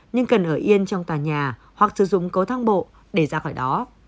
nhưng cần ở yên trong tòa nhà hoặc sử dụng cầu thang bộ để ra khỏi đó